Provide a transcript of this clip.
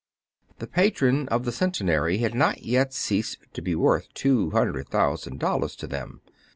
The patron of the Centenary had not yet ceased to be worth two hundred thousand dollars to them.